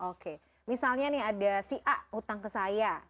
oke misalnya nih ada si a utang ke saya